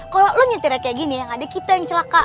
kalo lu nyitirnya kayak gini yang ada kita yang celaka